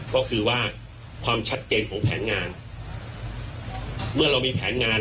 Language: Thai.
ก็คือว่าความชัดเจนของแผนงานเมื่อเรามีแผนงาน